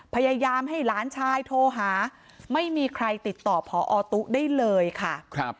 พยายามให้หลานชายโทรหาไม่มีใครติดต่อพอตุ๊ได้เลยค่ะ